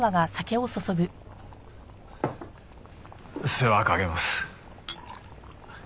世話かけます。